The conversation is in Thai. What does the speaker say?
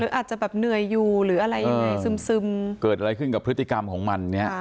อาจจะแบบเหนื่อยอยู่หรืออะไรยังไงซึมเกิดอะไรขึ้นกับพฤติกรรมของมันเนี่ย